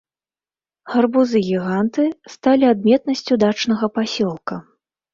Гарбузы-гіганты сталі адметнасцю дачнага пасёлка.